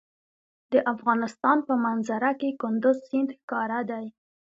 د افغانستان په منظره کې کندز سیند ښکاره دی.